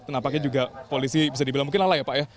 nampaknya juga polisi bisa dibilang mungkin lala ya pak ya